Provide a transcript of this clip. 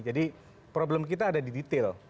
jadi problem kita ada di detail